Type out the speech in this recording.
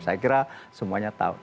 saya kira semuanya tahu